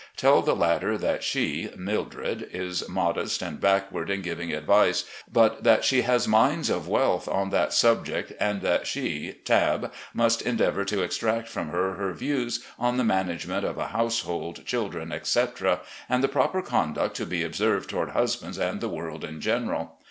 Tell the latter that she pVIildred] is modest and backward in giving advice, but that she has mines of wealth on that subject, and that she [Tabb] must endeavour to extract from her her views on the management of a household, children, etc., and the proper conduct to be observed toward husbands and the world in general.